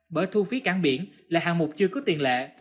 bởi thu phí cảng biển là hạng mục chưa có tiền lệ